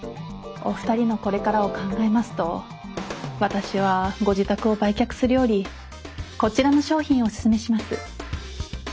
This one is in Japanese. お二人のこれからを考えますと私はご自宅を売却するよりこちらの商品をおすすめします。